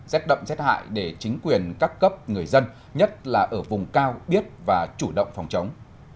rét đậm rét hại để chính quyền các cấp người dân nhất là ở vùng cao biết và chủ động phòng chống